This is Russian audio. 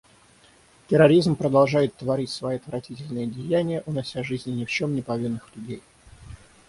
Терроризм продолжает творить свои отвратительные деяния, унося жизни ни в чем не повинных людей.